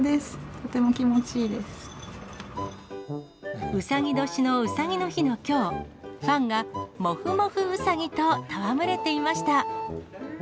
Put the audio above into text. とても気持ちうさぎ年のうさぎの日のきょう、ファンがもふもふうさぎと戯れていました。